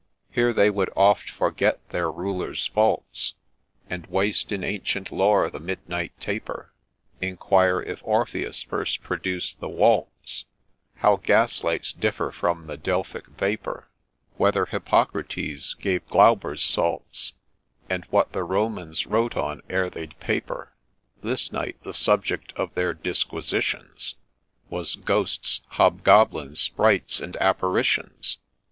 Here they would oft forget their Rulers' faults, And waste in ancient lore the midnight taper ; Inquire if Orpheus first produced the Waltz, How Gas lights differ from the Delphic Vapour, Whether Hippocrates gave Glauber's Salts, And what the Romans wrote on ere they'd paper :— This night the subject of their disquisitions Was Ghosts, Hobgoblins, Sprites, and Apparitions.